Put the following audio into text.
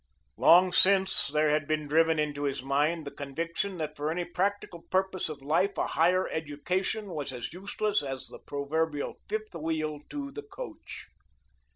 Long since there had been driven into his mind the conviction that for any practical purpose in life a higher education was as useless as the proverbial fifth wheel to the coach.